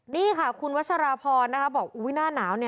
นี่ค่ะคุณวัชรพรดิ์บอกวิ่งหน้าหนาว